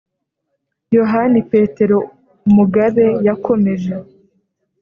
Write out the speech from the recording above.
yohani petero mugabe yakomeje.